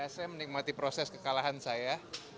saya menikmati proses kekalahan saya